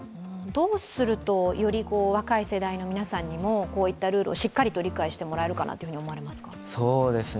どうするとより若い世代の皆さんにも、こういうルールをしっかりと理解してもらえるかなと思われますか。